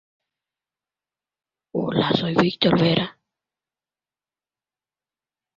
El Usa Today dijo que la película era poco entusiasta y sin sorpresas.